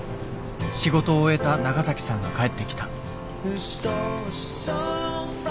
仕事を終えたナガサキさんが帰ってきた。